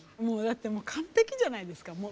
もうだって完璧じゃないですか。